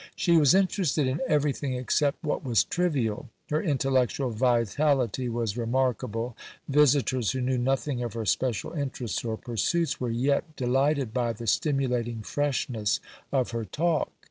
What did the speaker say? She was interested in everything except what was trivial. Her intellectual vitality was remarkable; visitors who knew nothing of her special interests or pursuits were yet delighted by the stimulating freshness of her talk.